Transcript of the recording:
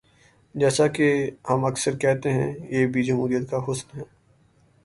جیسا کہ ہم اکثر کہتے ہیں، یہ بھی جمہوریت کا حسن ہے۔